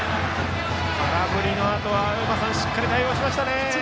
空振りのあとはしっかり対応しましたね。